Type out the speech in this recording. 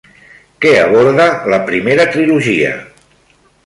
Què aborda la primera trilogia?